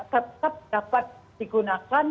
tetap dapat digunakan